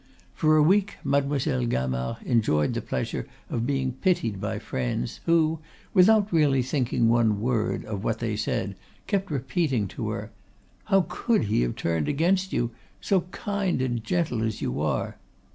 For a week Mademoiselle Gamard enjoyed the pleasure of being pitied by friends who, without really thinking one word of what they said, kept repeating to her: "How could he have turned against you? so kind and gentle as you are!"